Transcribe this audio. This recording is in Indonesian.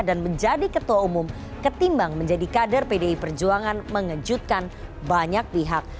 dan menjadi ketua umum ketimbang menjadi kader pdi perjuangan mengejutkan banyak pihak